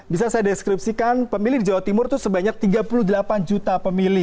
bisa saya deskripsikan pemilih di jawa timur itu sebanyak tiga puluh delapan juta pemilih